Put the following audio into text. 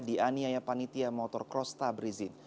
dianiaya panitia motor krosta berizin